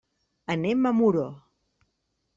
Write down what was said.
Anem a Muro.